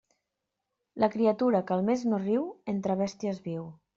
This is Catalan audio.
La criatura que al mes no riu, entre bèsties viu.